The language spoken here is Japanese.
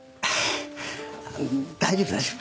大丈夫大丈夫。